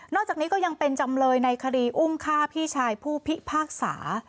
จากนี้ก็ยังเป็นจำเลยในคดีอุ้มฆ่าพี่ชายผู้พิพากษา